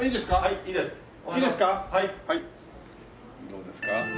どうですか？